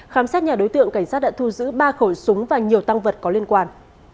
khám xét nhà đối tượng cảnh sát đã thu giữ ba khẩu súng và nhiều tăng vật có liên quan